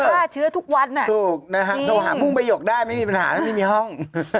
ฆ่าเชื้อทุกวันถูกนะฮะโทรหามุ่งประหยกได้ไม่มีปัญหาแล้วไม่มีห้อง